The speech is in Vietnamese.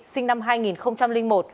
sinh năm hai nghìn một